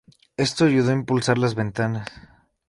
Esto ayudó a impulsar las ventas.